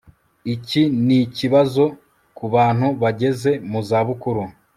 iki nikibazo kubantu bageze mu zabukuru